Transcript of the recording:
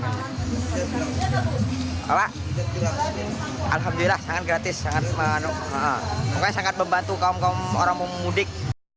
alhamdulillah sangat gratis sangat membantu kaum kaum orang pemudik